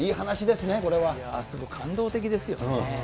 すごい感動的ですよ。